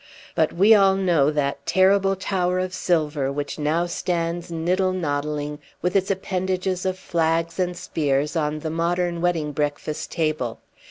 But we all know that terrible tower of silver which now stands niddle noddling with its appendages of flags and spears on the modern wedding breakfast table.